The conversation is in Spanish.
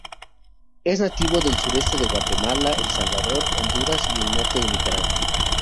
Es nativo del sureste de Guatemala, El Salvador, Honduras y el norte de Nicaragua.